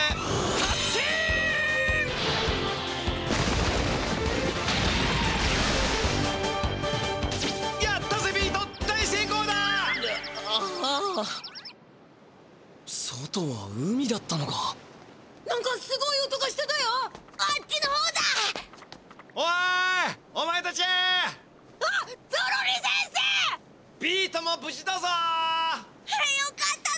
よかっただ！